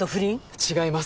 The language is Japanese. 違います。